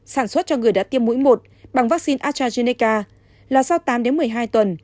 sản xuất cho người đã tiêm mũi một bằng vaccine astrazeneca là sau tám một mươi hai tuần